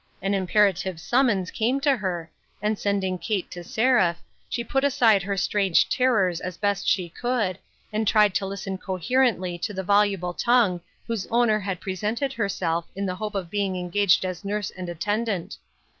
An imperative summons came to her, and sending Kate to Seraph, she put aside her strange terrors as best she could, and tried to listen coherently to the voluble tongue whose owner had presented herself in the hope of being engaged as nurse and attendant.